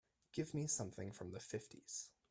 give me something from the fifties